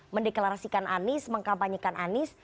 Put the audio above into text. mendeklarasikan anies mengkampanyekan anies